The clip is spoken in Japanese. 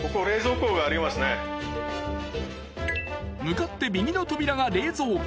［向かって右の扉が冷蔵庫］